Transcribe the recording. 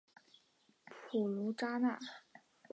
普卢扎内。